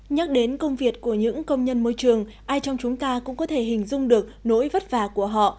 nhắc đến công việc của những công nhân môi trường ai trong chúng ta cũng có thể hình dung được nỗi vất vả của họ